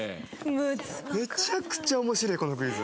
めちゃくちゃ面白えこのクイズ。